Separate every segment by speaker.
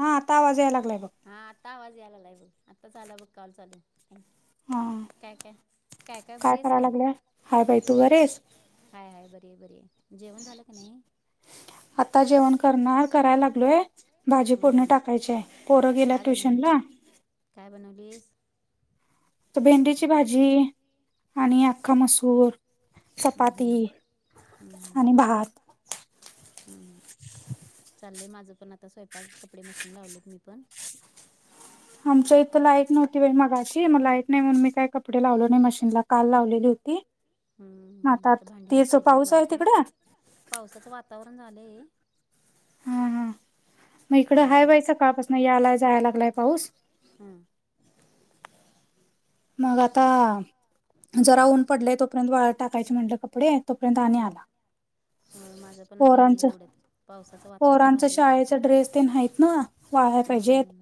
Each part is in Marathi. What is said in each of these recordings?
Speaker 1: हा आता आवाज याय लागलाय बघ
Speaker 2: हा आत्ता आवाज याला आहे बघ आत्ता चाला बघ कॉल चालू थँक्यू काय काय काय काय बरी आहेस काय हाय हाय बरी आहे बरी आहे जेवण झालं की नाही
Speaker 1: आता जेवण करणार करायला लागलोय भाजी फोडणी टाकायच्याय
Speaker 2: काय बनवलं काय बनवलीस
Speaker 1: तर भेंडीची भाजी आणि अख्खा मसूर चपाती आणि भात
Speaker 2: हम् हम चाललंय माझं पण आता स्वयपाक कपडे मशीन लावलेत मी पण
Speaker 1: आमच्या इथं लाइट नव्हती बाई मगाशी मग लाईट नाही म्हणून मी काय कपडे लावलो नाही मशीनला काल लावलेली होती हता तीच पाऊस आहे तिकडे
Speaker 2: पावसाचं वातावरण झालंय
Speaker 1: हा हा मग इकडं हाय बाई सकाळ पासन याला जायला लागलाय पाऊस
Speaker 2: हां
Speaker 1: मग आता जरा ऊन पडलंय तोपर्यंत वाळ टाकायची म्हटलं कपडे तोपर्यंत आणि आला [inaudible] पोरांच -पोरांच शाळेचा ड्रेस येन हायत ना वाळाय पाहिजेत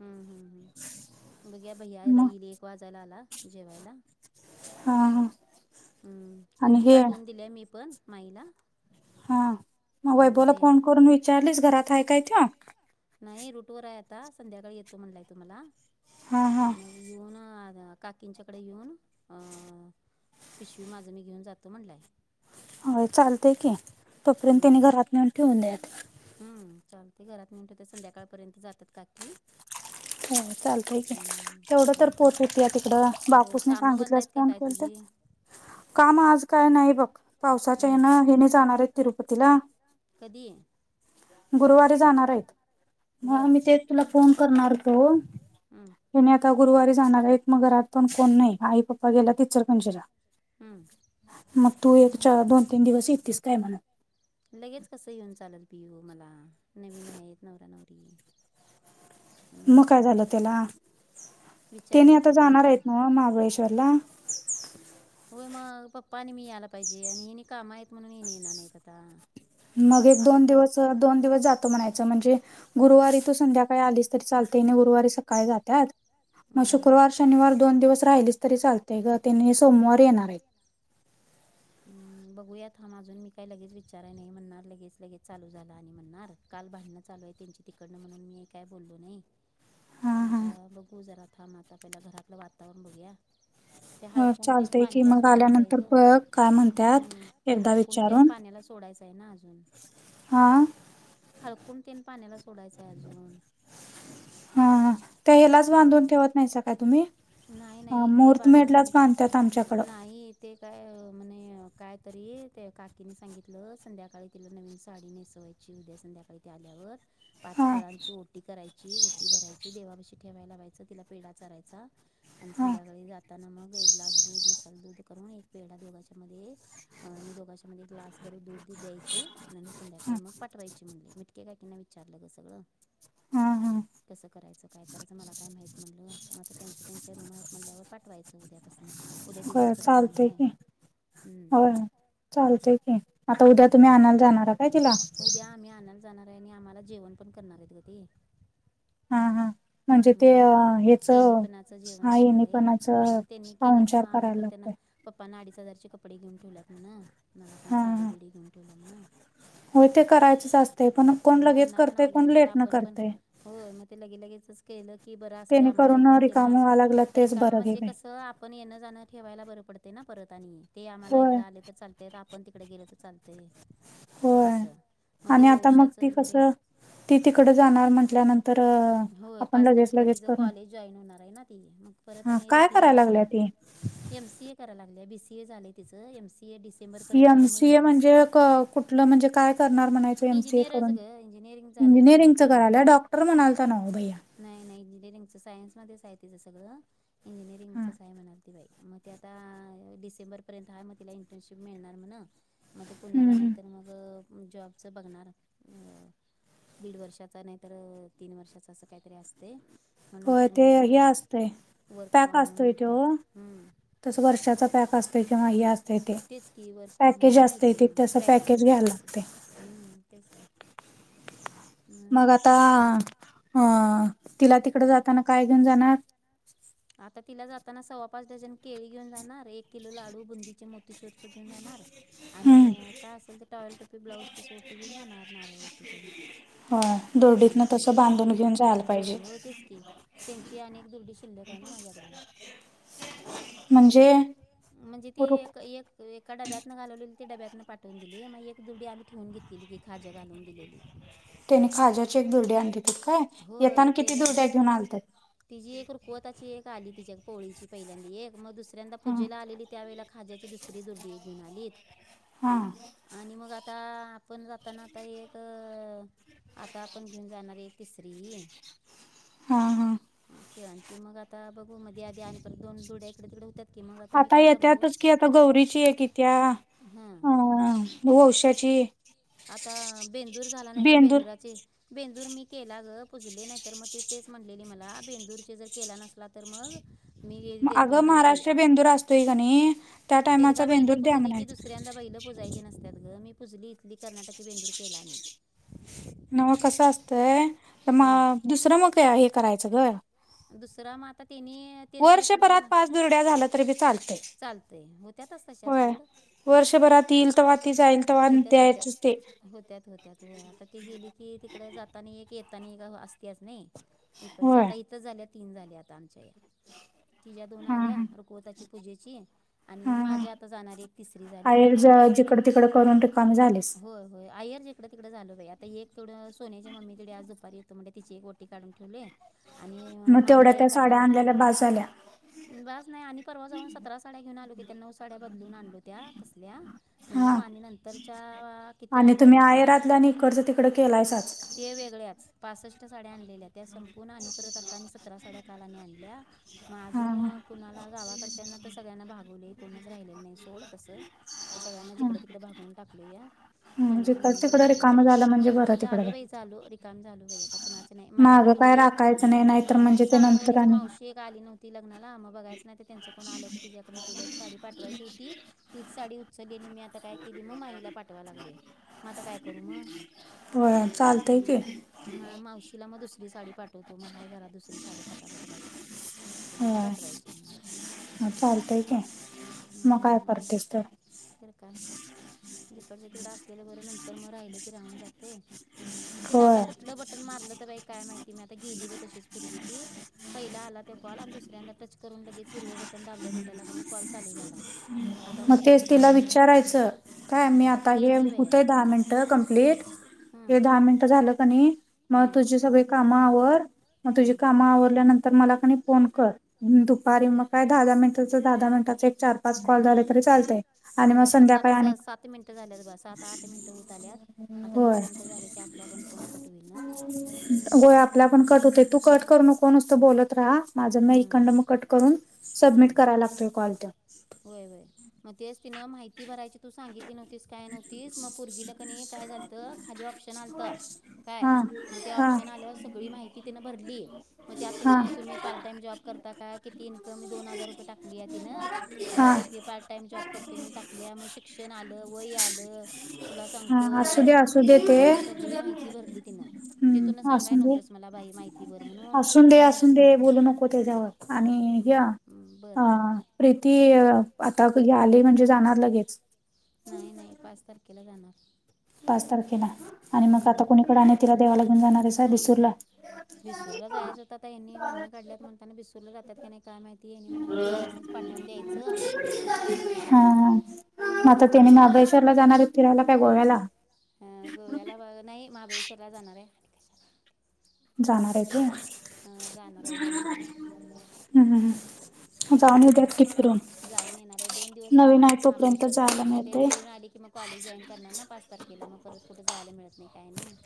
Speaker 2: हम्म -हम्म- हम्म बघूया भैया एकदा येईल एक वाजायला आला जेवायला
Speaker 1: हां-हा
Speaker 2: हम्म ओटी पाठवून दिल्या मी पण माईला
Speaker 1: हा मग वैभवाला फोन करून विचारलीस घरात आहे काय त्यो
Speaker 2: नाही रूटवर आहे आता संध्याकाळी येतो म्हणलाय तो मला येऊन अ -काकीच्या कडे येऊन अ पिशवी माझं मी घेऊन जातो म्हणलाय
Speaker 1: होय चालतय की तोपर्यंत त्यांनी घरात नेऊन ठेवून द्यात
Speaker 2: हम्म चालतय घरात न्हून ठूतो संध्याकाळपर्यंत जातात काकी
Speaker 1: [inaudible] हो चालतयकी तेवढं तर पोहोचवते या तिकडं बापूसनी सांगितल्यास फोन केल ते काम आज काय नाही बघ पावसाच्या येन हेनी जाणार आहेत तिरुपतीला
Speaker 2: कधी?
Speaker 1: गुरुवारी जाणार आहेत म मी ते तुला फोन करणार होतो हेनी आता गुरुवारी जाणार आहेत मग घरात पण कोण नाही आई पप्पा गेल्यात इचल [unintelligible] म्हणजेरा मग तू एक चार दोन तीन दिवस यतीस काय म्हण
Speaker 2: लगेच कसं येऊन चालत पीहू मला नवीन आहेत नवरा नवरी
Speaker 1: [inaudible] मग काय झालं त्याला त्याने आता जाणार आहेत नव्ह महाबळेश्वरला?
Speaker 2: होय मग पप्पा आणि मी यायला पाहिजे आणि हिनी कामा आहेत म्हणून हिनी येणार नाहीत आता
Speaker 1: मग एक दोन दिवस- दोन दिवस जातो म्हणायचं म्हणजे गुरुवारी तू संध्याकाळी आलीस तरी चालतय नाही गुरुवारी सकाळी जात्यात मग शुक्रवार, शनिवार दोन दिवस राहिलीस तरी चालतेय ग त्यांनी सोमवारी येणार आहेत
Speaker 2: बघूया थांब अजून मी काही लगेच विचाराय नाही म्हणणार लगेच -लगेच चालू झालं आणि म्हणणार काल भांडणं चालू आहे त्यांची तिकडनं म्हणून मी काय बोललो नाही म आता बघू जरा थांब आता पहिला घरातलं वातावरण बघूया ते हळकुंड तेन पाण्याला सोडायचंय ग [unintelligible] [unintelligible] हम्म ते हळकुंड तेन पाण्याला सोडायचं आहे ना अजून हळकुंड तेन पाण्याला सोडायचंय अजून
Speaker 1: हा-हा त्या हेलाच बांधून ठेवत नाहीसा काय तुम्ही?
Speaker 2: नाही -नाही ते बांधून [unintelligible] नाही ते काय म्हणे काय तरी त्या काकीने सांगितलं संध्याकाळी तिला नवीन साडी नेसवायची उद्या संध्याकाळी त्या आल्यावर पाच फळांची ओटी करायची ओटी भरायची देवापाशी ठेवायला लावायचं तिला पेढा चारायचा आणि संध्याकाळी जाताना मग एक ग्लास दूध मसाला दूध करून एक पेढा दोघाच्या मध्ये आणि दोघांच्या मध्ये ग्लास भर दूध द्यायचं आणि संध्याकाळी मग पाठवायची म्हणले मी ते काकींना विचारलं ग सगळं
Speaker 1: हा-हा
Speaker 2: कसं करायचं काय करायचं मला काय माहित म्हटलं मगता त्यांच त्यांच्या रूम आहेत म्हटल्यावर पाठवायचं उद्यापासून उद्या दिवस पण चांगला आहे हम्म [unintelligible] उद्या आम्ही आणल जाणाराय आणि आम्हाला जेवण पण करणार आहेत ग ते
Speaker 1: हा हा
Speaker 2: [unintelligible] हम्म एणी पणाचं जेवण करणार आहेत मग त्यांनी केलं कि मग आम्ही पण त्यांना पप्पानं अडीच हजारचे कपडे घेऊन ठेवल्यात म्हण मला पण साडी- बिडी घेऊन ठेवल्या म्हण [unintelligible] लागते मग त्यांना पण आल्यानंतर आपण पण होय मग ते लगे लगेचच केलं की बर अस आम्हाला इकड त्यांना का म्हणजे कस [unintelligible] पण येण जाणं ठेवायला बरं पडते ना परत आणि ते आम्हाला इकडं आले तर चाल ते तर आपण तिकडे गेल तर चालतय असं मग ते वंशाच वगैरे होय पाच तारखेला तिच कॉलेज जॉईन होणार आहे ना ती मग परत आणि रीती रिवाज राहत्या एमसीए करायला लागली आहे बीसीए झाले तुझे एमसीबीसी
Speaker 1: एमसीए म्हणजे कुठलं म्हणजे काय करणार म्हणाय मी कर इंजिनिरिंग च करायला डॉक्टर म्हणालता ना व भैय्या
Speaker 2: नाही नाही इंजिनिअरिंगचं सायन्समध्येच आहे तिचं सगळं इंजिनिअरिंगचंच आहे म्हणाल ती बाई मग ते आता डिसेंबर पर्यंत हा मग तिला इंटर्नशिप मिळणार मणा मग ते पुण्याला नाहीतर मग जॉबच बघणार अ दीड वर्षाचा नाही तर तीन वर्षाचा असं काहीतरी असते मग नंतर मग वर्क वर्क फ्रॉम होम येते
Speaker 1: तस वर्षाचा पॅक असते मा ह्यास ते पॅकेज असते त तस पॅकेज घ्यायला लागते
Speaker 2: ह् तेच क
Speaker 1: मग आता अ तिला तिकड जाताना काय घेऊन जाणार
Speaker 2: आता तिला जाताना सव्वा पाच डझन केळी घेऊन जाणार एक किलो लाडू बुंदीचे मोती चुरचू घेऊन जाणार आणि काय असेल ते टॉयल टपी ब्लाउज पीस ओटी घेऊन जाणार नारळ ओटी देन खाऊच्या पाननाच्या वेळ दुर्डीत दुर्डी होतेच की त्यांची आणि दुर्डी शिल्ल काय ना माझ्याकडे म्हणजे ती एक एक एका डब्यातनं घालवलेली ते डब्यातं पावून दिली मग एक जुडी आम्ही ठेवून घेतलेली की खाज्या घालून दिलेली
Speaker 1: त्यानी खाज्याची एक दुर्डी आण देतात काय येताना किती दुर्ड्या घेऊन आलतात
Speaker 2: तिचीी एक रुकवताची एक आली तिच्या एक पोळीची पहिल्यांदा एक मग दुसऱ्यांदा पूजेला आलेली त्यावेेळेला खाज्याचे दुसरी दोर्डी घेऊन आलीत
Speaker 1: हां
Speaker 2: आणि मग आता आपण जाताना आता एक आता आपण घेऊन जाणार एक तिसरी खिळांची मग आता बघू मध्ये आधी आणि परत दोन डुद्या इकडे तिकडे होत्यात
Speaker 1: आता येत्यातच कि आता गौरीची एक येत्या हा हो औष्याची
Speaker 2: आता बेंदूर झाला नाही तर बेंदुरााचे बेंदूर मी केला ग पुजले नाही तर मग ति तेच म्हणलेली मला बेंदूरचे जर केला नसला तर मग मीग येेत ते तो म्ह न ते
Speaker 1: तु गणी
Speaker 2: एकदा बैल पुजली क दुसऱ्यां द बैल पुजायचे नसत ग मी पुजली इथली कर्नाटकी बेंदूर केला मी
Speaker 1: न मग कसं असतंय तर मग दुसरं मग हे करायचं ग
Speaker 2: दुसरा मग आता त्यानी
Speaker 1: वर्षभरात पाच बुरड्या झालं तरी बी चालत
Speaker 2: चालते होत्यातच तशा सोड होत्यात होत्या होत्यात होत्या त्यात वय आता ती गेली की तिकडे जाता आणि एक येता आणि असत आच नाही इकडच्या आता इथच झाल्या तीन झाल्या आता आमच्या या ति ज्या दोन आल्या रुकवताची पूजेची आणि माझी आता जाणारी एक तिसरी झाली मग आता
Speaker 1: झाली
Speaker 2: हो आयर जकडं तिकडं झाल बाई आता एक तेवडं सोनेची मम्मी तिकडे आज दुपारी येतं म्हणे तिची एक ओटी काढून ठेवले आणि माईला एक आता उठ बस नाही आणि परवा जाऊन सतरा साड्या घेऊन आलो की त्या नऊ साड्या बदलून आणलो त्या तसल्या नऊ आणि नंतरच्या किती आणल्या बघकी ते वेगळ्याच पासष्ट साड्या आणलेल्या त्या संपूर्ण आणि परत आत्ता आणि सतरा साड्या कालने आणल्या मग अजून कुणाला गावाकडच्यांना तर सगळ्यांना भागवले कोणच राहिलेले नाही थोड तसं मी सगळ्यांना जिकडे तिकडे भागवून टाकलू या सोन्याची मम्मी तेवढी आली की आ झालो बाई झालो रिकाम झालो बाई आता कुणाच नाही माईला तेवढी एक नाही सांगलवाडीची मावशी एक आली नव्हती लग्ला आ बघायच नाही त्यांच कोण आलं ड ति एक सा पाठवायची होती तीच साडी उचली आणि मी आता काय केली मग माईला पाठवा लागलोय मग आता काय करू मग म मावशीला मग दुसरी साडी पाठवतो मग हाय घरात दुसरी साडी खटापद्रची तिला ती पाठवायची म असू दे तिकडं आणि तर काय तिकडचे तिकडं असलेलं बरं नंतर मग राहिले की राहून जाते तिने आता कुठलं बटन मारलं तर बाई काय माहिती मी आता गेली ब तशीच भर्गी पहिला आला तो कॉल आणि दुसऱ्यांदा टच करून लगेच हिरव बटन दाबल्या भेटाला क आणि कॉल चालू झाला
Speaker 1: मग तेच तिला विचारायचं काय मी आता हे होतंय दहा मिनटं कंप्लीट हे दहा मिनट झालं क नाही मग तुझी सगळी कामं आवर मग तुझी काम आवरडल्यानंतर मला कणी फोन कर दुपारी मग काय दहा दहा मिनिटाच दहा मिनिटाचा एक चार पाच कॉल झाले तरी चालतेय
Speaker 2: होय आता सात स सात मिनिटं झाल्यात बा सात आठ मिनिटं होत आल्यात आता दोन मिनिटं झाले की
Speaker 1: गय आपल्या पण कट होते तू कट कर न कोण असत बोलत राहा माझं मी एकखंड मग कट करून सबमिट करायला लागतोय कॉल त्या
Speaker 2: वय वय मग तेच पिना माहिती किती भरायची तू सांगितली नव्हतीस काय नव्हतीस मग पुरगीलं कणी काय झालतं खाली ऑप्शन आलतं काय मग ते ऑप्शन आल्यावर सगळी माहिती तिनं भरली मग त्यात तिन तुम्ही ाम जॉब करता का किती इन्कम दोन हजार रुपये टाली आहे ति आणि किती पार्ट टाइम जॉब करते टाकली मग शिक्षण आलं वय आलं तुला सांगतो सगळी माहिती भरली तिनं तेथूनून सांगाय नव्हतंस मला बाई माहिती बर म्हणून मग हम्मम्म बरं बरं
Speaker 1: प्रीती आता आली म्हणजे जाणार लगेच
Speaker 2: नाही नाही पाच तारखेला जाणार
Speaker 1: पाच तारखेला आणि मग आता कोणीकडे आणि तिला देवा ला घेन जाणार आहे स बडिसूरला
Speaker 2: बिसूरला जायच होता त्यांनी भांडं काढल्यात म्हणताना बिसूरला जात का नाहीय माहिती ती मणाला दोघासनीच पाठवून द्यायचं
Speaker 1: हा आता तेने महाबळेश्वर ला जाणार आहेत फिरावला काय गोव्याला
Speaker 2: अ गोव्याला नाही महाबळेश्वरला जाणार आहे
Speaker 1: जाणार आहे ते
Speaker 2: हं जाणार आहे जाणार आहे
Speaker 1: हम्
Speaker 2: आणि काय म्हणते जाऊन येणार आहे दोन दिवस जाणार आहेत महाबळेश्वरला मग ते फिरून आले की मग कॉलेज जॉईन करणार ना पाच तारखेला मग परत कुठे जायला मिळत नाही काही नाही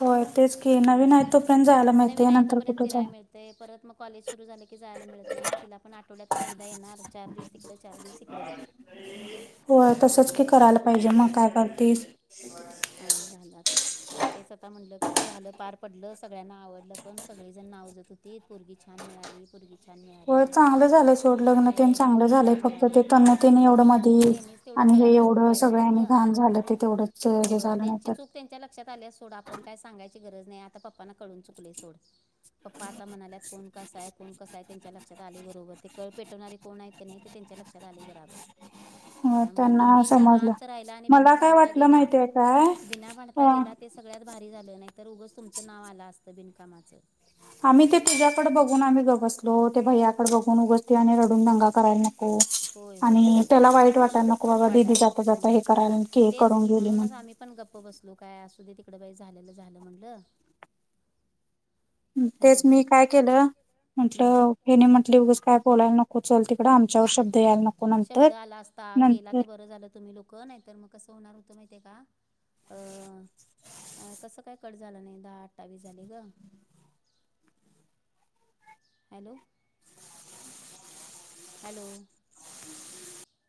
Speaker 1: होय तेच की नवीन आहे तो पण जायला माहतीय नंतर कुठे जा
Speaker 2: ते परत मग कॉलेज सुरू झाले की जायला मिळत नाही ना तिला पण आठवड्यात नाही एकदा येणार चार दिवस तिकडे चार दिवस कडे बघ
Speaker 1: हो तसंच की करायला पाहिजे मग काय करतेस
Speaker 2: अ झाात तेच आता म्हटलं कसं झालं पार पडलं सगळ्यांना आवडलं पण सगळे जण आवजत हो त परगी छान मिळालीर्गी छान मिळाली होय मुलगी छान मिळाली होय त्यांनी व करायलाक हो त्यांच्या लक्षात आले सोड आपण काय सांगायची गरज नाही आता पप्पांना कळून चुकले सोड पप्पा आता म्हणाल्यात कोण कसा आहे कोण कसा आहे त्यांच्या लक्षात आले बरोबर ते कळ पेटवणारे कोण आहेत की नाही ते त्यांच्या लक्षात आले बराबर त्यामुळे तुम्ही निवांत राहिला आणि बिना भांडता गेला बिना भांडता गेला ते सगळ्यात भारी झालं नाहीतर उगंच तुमचं नाव आलं असतं बिनकामाचं
Speaker 1: आम्ही ते तुझ्याकडे बघून आम्ही ग बसलो ते भैया ड बघून उगसते आणि रडून दंगा करायला नको आणि त्याला वाईट वाटाला नक बाघा दिदी जाता जाता हे करायला की हे करून गेले म्हण
Speaker 2: आपण गप्प बसलो काय असध तिकडं बा झालेलं झालं म्हटलं
Speaker 1: तेच मी काय केलं म्हटलं हे म्हटली बगच काय बोयला नको चल तिकडे आमच्यावर शब्द यायला नको
Speaker 2: शब्द आला असता गेला ते बरं झालं तुम्ही लोक नाही तर मग कसं होणार होतं माहितीय का अ ह कसं काय कट झालं नाही दहा अठ्ठावीस झाली ग
Speaker 1: [unintelligible]
Speaker 2: हॅलो हॅलो